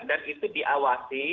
dan itu diawasi